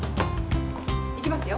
行きますよ。